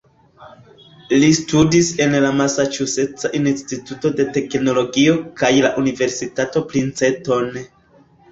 Li studis en la Masaĉuseca Instituto de Teknologio kaj la Universitato Princeton.